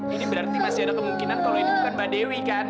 ini berarti masih ada kemungkinan kalau ini bukan mbak dewi kan